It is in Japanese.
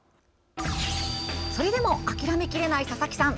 それでも諦めきれない佐々木さん